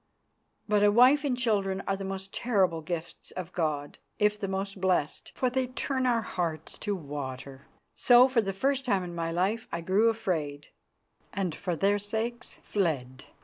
But a wife and children are the most terrible gifts of God, if the most blessed, for they turn our hearts to water. So, for the first time in my life, I grew afraid, and, for their sakes, fled.